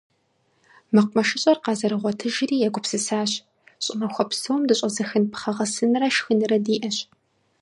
МэкъумэшыщӀэр къызэрыгъуэтыжри, егупсысащ: щӀымахуэ псом дыщӀэзыхын пхъэ гъэсынрэ шхынрэ диӀэщ.